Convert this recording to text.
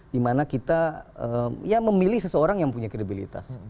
dimana kita ya memilih seseorang yang punya kredibilitas